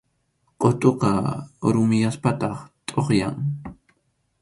Qʼutuqa rumiyaspataq tʼuqyan.